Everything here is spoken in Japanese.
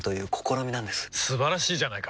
素晴らしいじゃないか！